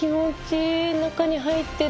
中に入ってる。